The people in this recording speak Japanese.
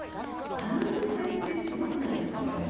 あの肉体ってすごくないですか。